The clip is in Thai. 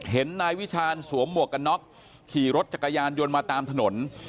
เห็นนายวิชาณสวมหมวกกันน็อกขี่รถจักรยานยนต์มาตามถนน